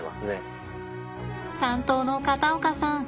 担当の片岡さん